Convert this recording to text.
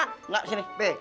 enggak sini be